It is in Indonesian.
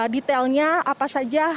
detailnya apa saja